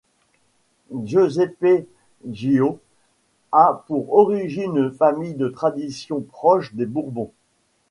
Giuseppe Ghio a pour origine une famille de tradition proche des Bourbons.